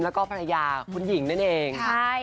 แล้วก็ภรรยาคุณหญิงนั่นเอง